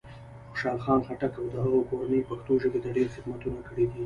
خوشال خان خټک او د هغه کورنۍ پښتو ژبې ته ډېر خدمتونه کړي دی.